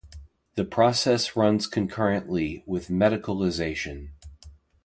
The process runs concurrently with medicalization.